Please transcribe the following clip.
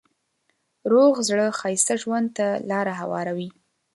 روغ زړه ښایسته ژوند ته لاره هواروي.